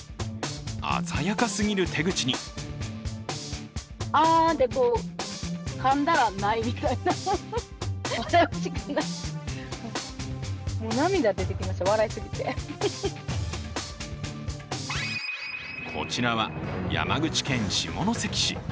鮮やかすぎる手口にこちらは山口県下関市。